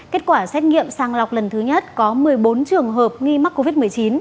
kết quả xét nghiệm sang lọc lần thứ nhất có một mươi bốn trường hợp nghi mắc covid một mươi chín